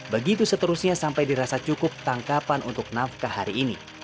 begitu seterusnya sampai dirasa cukup tangkapan untuk nafkah hari ini